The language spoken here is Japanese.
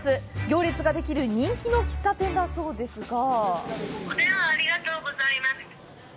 行列ができる人気の喫茶店だそうですが。